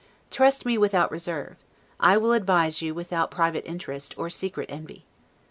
Trust me without reserve; I will advise you without private interest, or secret envy.